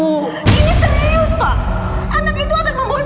ini serius pak anak itu akan membawa sial